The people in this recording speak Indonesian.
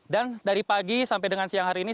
dan dari pagi sampai dengan siang hari ini